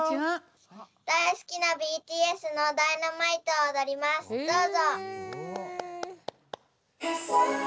大好きなＢＴＳの「Ｄｙｎａｍｉｔｅ」を踊りますどうぞ。